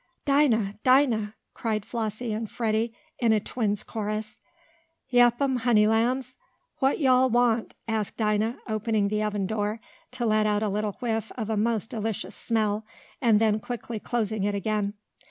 "Dinah! Dinah!" cried Flossie and Freddie in a twins' chorus. "Yep um, honey lambs! What yo' all want?" asked Dinah, opening the oven door, to let out a little whiff of a most delicious smell, and then quickly closing it again.